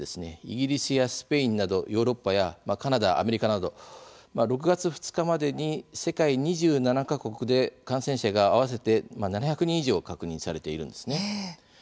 イギリスやスペインなどヨーロッパやカナダ、アメリカなど６月２日までに、世界２７か国で感染者が合わせて７００人以上確認されているんですね。